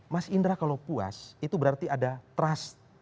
mas indra kalau puas itu berarti ada trust